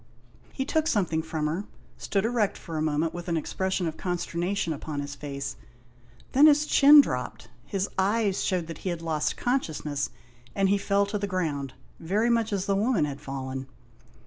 He took something from her, stood erect for a moment with an expression of consternation upon his face; then his chin dropped, his eyes showed 136 &HOST TALES. that he had lost consciousness, and he fell to the ground, very much as the woman had fallen.